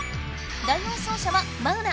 第４走者はマウナ。